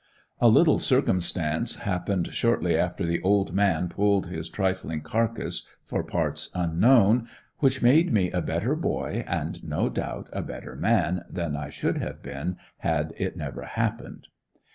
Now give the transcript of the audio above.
A little circumstance happened, shortly after the "old man" pulled his trifling carcass for parts unknown, which made me a better boy and no doubt a better man than I should have been had it never happened.